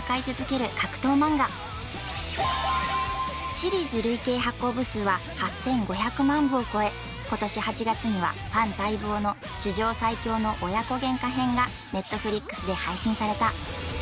シリーズ累計発行部数は８５００万部を超え今年８月にはファン待望の「地上最強の親子喧嘩編」が Ｎｅｔｆｌｉｘ で配信された